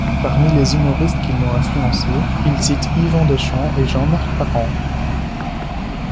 Parmi les humoristes qui l'ont influencé, il cite Yvon Deschamps et Jean-Marc Parent.